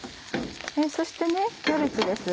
そしてキャベツです。